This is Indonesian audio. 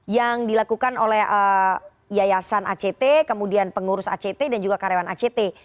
yang dilakukan oleh yayasan act kemudian pengurus act dan juga karyawan act